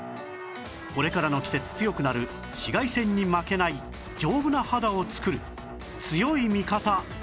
これからの季節強くなる紫外線に負けない丈夫な肌を作る強い味方